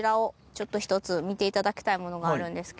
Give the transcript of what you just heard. ちょっと一つ見て頂きたいものがあるんですけど。